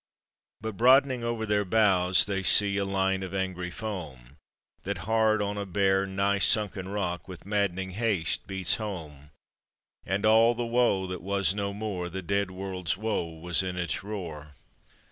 But broadening over their bows they see A line of angry foam That hard on a bare, nigh sunken rock With maddened haste beats home; And all the woe that was no more, The dead world's woe, was in its roar.